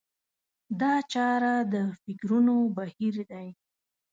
دا چاره د فکرونو بهير دی.